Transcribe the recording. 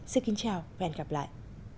xin kính chào và hẹn gặp lại